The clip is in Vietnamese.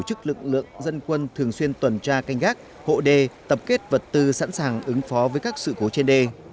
tổ chức lực lượng dân quân thường xuyên tuần tra canh gác hộ đê tập kết vật tư sẵn sàng ứng phó với các sự cố trên đê